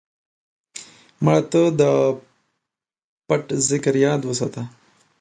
مړه ته د پټ ذکر یاد وساته